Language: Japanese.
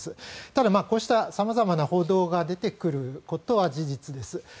ただ、こうした様々な報道が出てくることは事実です。